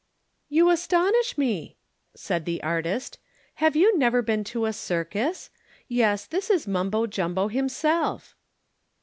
"You astonish me," said the artist. "Have you never been to a circus? Yes, this is Mumbo Jumbo himself."